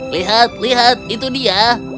lihat lihat itu dia